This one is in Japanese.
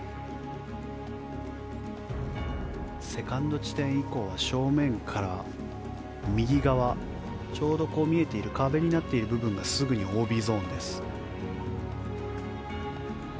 セカンド地点以降は正面から右側ちょうど見えていた壁になっている部分がすぐにＯＢゾーンです。